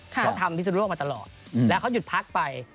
เขาทำพิศนุโลกมาตลอดแล้วเขาหยุดพักไป